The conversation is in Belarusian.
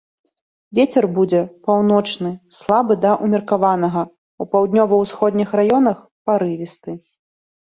Вецер будзе паўночны слабы да ўмеркаванага, у паўднёва-ўсходніх раёнах парывісты.